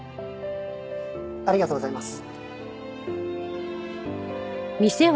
ありがとうございます。